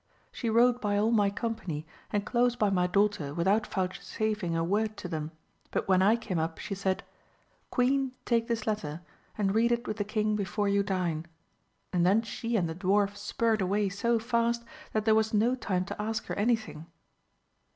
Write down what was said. She rode by all my company, and close by my daughter, without vouchsafing a word to them, but when I came up she said, Queen, take this letter, and read it with the king before you dine, and then she and the dwarf spurred away so fast that there was no time to ask her any thing.